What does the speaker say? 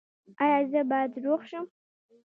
ایا زه باید روغ شم؟